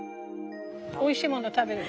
おいしいもの食べる。